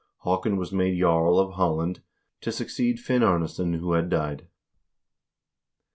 Haakon was made jarl of Halland to succeed Finn Arnesson, who had died.